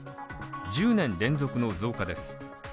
１０年連続の増加です。